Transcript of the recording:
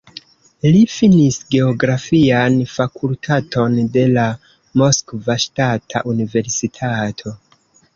Li finis geografian fakultaton de la Moskva Ŝtata Universitato.